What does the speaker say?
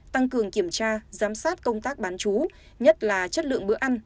tăng cường kiểm tra giám sát công tác bán chú nhất là chất lượng bữa ăn